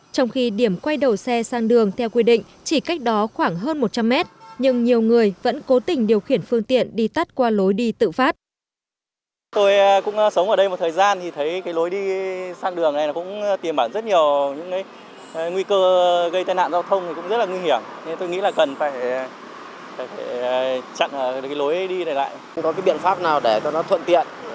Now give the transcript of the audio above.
trong khi điểm quay đầu xe sang đường theo quy định chỉ cách đó khoảng hơn một trăm linh mét nhưng nhiều người vẫn cố tình điều khiển phương tiện đi tắt qua lối đi tự phát